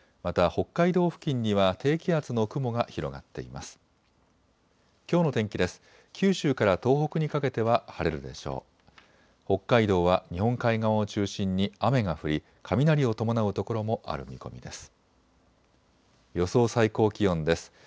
北海道は日本海側を中心に雨が降り雷を伴う所もある見込みです。